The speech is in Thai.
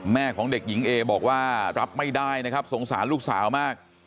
แม่ของเด็กหญิงเอบอกว่ารับไม่ได้นะครับสงสารลูกสาวมาก